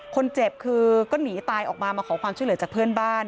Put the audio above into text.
คนเจ็บคือก็หนีตายออกมามาขอความช่วยเหลือจากเพื่อนบ้าน